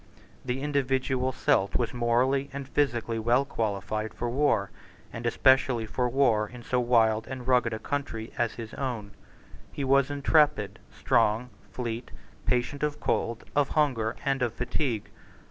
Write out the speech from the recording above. The individual Celt was morally and physically well qualified for war, and especially for war in so wild and rugged a country as his own. He was intrepid, strong, fleet, patient of cold, of hunger, and of fatigue.